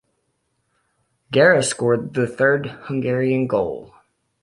Gera scored the third Hungarian goal.